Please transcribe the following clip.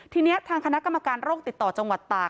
ทีนี้ทางคณะกรรมการโรคติดต่อจังหวัดตาก